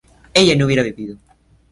ella no hubiera vivido